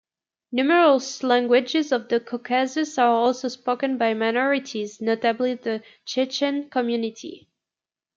Numerous languages of the Caucasus are also spoken by minorities, notably the Chechen community.